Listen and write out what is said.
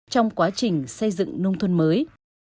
trong quá trình xây dựng nông thôn mới